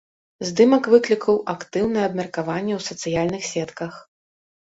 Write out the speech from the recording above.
Здымак выклікаў актыўнае абмеркаванне ў сацыяльных сетках.